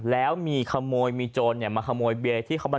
แล้วมีคโมยมีโจรเนี่ยมาคโมยเบียน